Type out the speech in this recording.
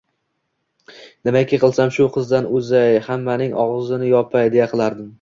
Nimaiki qilsam, shu qizdan o`zay, hammaning og`zini yopay, deya qilardim